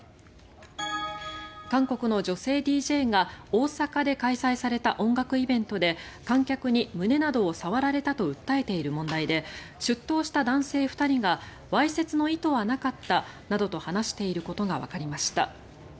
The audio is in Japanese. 韓国の女性ＤＪが大阪で開催された音楽イベントで観客に胸などを触られたと訴えている問題で出頭した男性２人がわいせつの意図はなかったなどと話していることがわかりました。